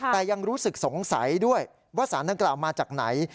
แต่ยังรู้สึกสงสัยด้วยว่าสารดังกล่าวมาจากไหน